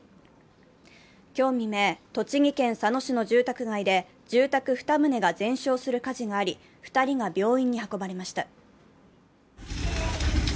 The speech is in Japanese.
今日未明、栃木県佐野市の住宅街で住宅２棟が全焼する火事があり、２人が病院に運ばれました。